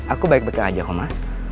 aku baik baik aja koma